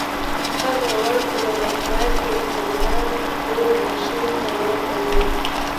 هغه اول په لابراتوار کې حجره ښود ماشين ته ودرېد.